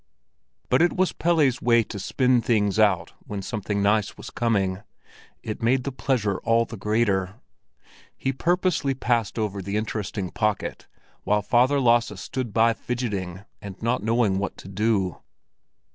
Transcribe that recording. But it was Pelle's way to spin things out when something nice was coming; it made the pleasure all the greater. He purposely passed over the interesting pocket, while Father Lasse stood by fidgeting and not knowing what to do.